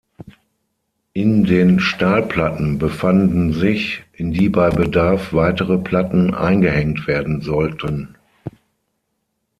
In den Stahlplatten befanden sich, in die bei Bedarf weitere Platten eingehängt werden sollten.